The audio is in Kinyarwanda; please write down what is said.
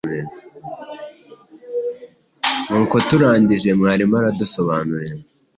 Nuko turangije mwarimu aradusobanurira